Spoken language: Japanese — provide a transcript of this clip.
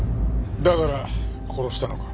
だから殺したのか？